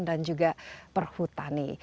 dan juga perhutani